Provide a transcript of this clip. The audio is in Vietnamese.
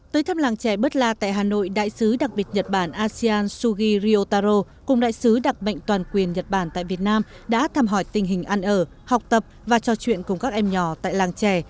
tới thăm làng trẻ bơ la tại hà nội đại sứ đặc biệt nhật bản asean shugiri otaro cùng đại sứ đặc mệnh toàn quyền nhật bản tại việt nam đã thăm hỏi tình hình ăn ở học tập và trò chuyện cùng các em nhỏ tại làng trẻ